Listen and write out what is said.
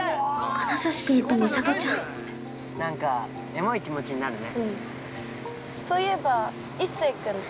◆なんか、エモい気持ちになるね。